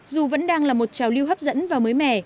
dù vẫn đang là một trào lưu hấp dẫn và mới mẻ